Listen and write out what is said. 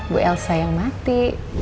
bu elsa yang mati